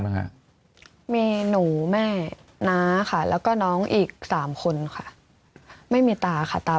บ้างฮะมีหนูแม่น้าค่ะแล้วก็น้องอีกสามคนค่ะไม่มีตาค่ะตา